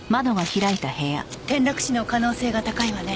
転落死の可能性が高いわね。